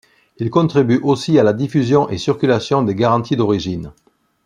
Il contribue aussi à la diffusion et circulation des garanties d'origine.